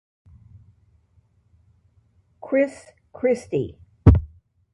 Chris Christie.